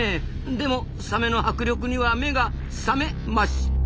でもサメの迫力には目がサメました。